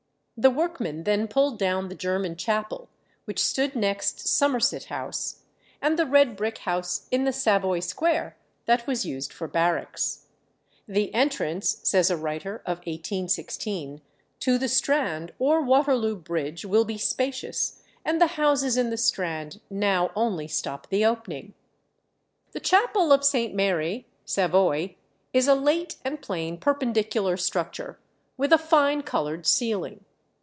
The workmen then pulled down the German chapel, which stood next Somerset House, and the red brick house in the Savoy Square that was used for barracks. "The entrance," says a writer of 1816, "to the Strand or Waterloo Bridge will be spacious, and the houses in the Strand now only stop the opening." The Chapel of St. Mary, Savoy, is a late and plain Perpendicular structure, with a fine coloured ceiling.